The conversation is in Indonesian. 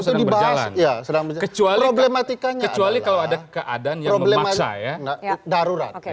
sedih bahaya sedang kecuali matikan kecuali kalau ada keadaan yang memaksa ya darurat